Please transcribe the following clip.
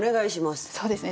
そうですね